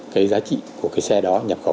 cái giá trị của cái xe đó nhập khẩu